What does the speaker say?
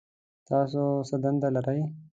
تاسو څه دنده لرئ؟